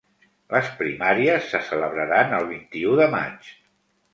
Les primàries se celebraran el vint-i-u de maig.